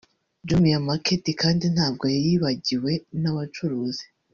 Jumia market kandi ntabwo yibagiwe n’abacuruzi